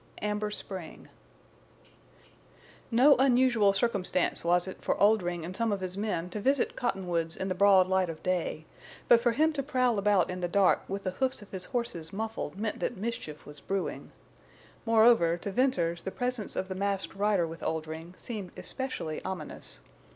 AMBER SPRING No unusual circumstance was it for Oldring and some of his men to visit Cottonwoods in the broad light of day, but for him to prowl about in the dark with the hoofs of his horses muffled meant that mischief was brewing. Moreover, to Venters the presence of the masked rider with Oldring seemed especially ominous.